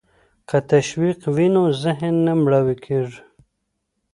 که تشویق وي نو ذهن نه مړاوی کیږي.